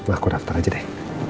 aku daftar aja deh